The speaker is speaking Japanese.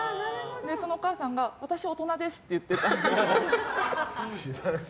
そのお母さんが私大人ですって言ってたんで。